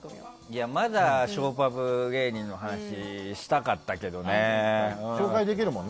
いや、まだショーパブ芸人の話したかったけどね。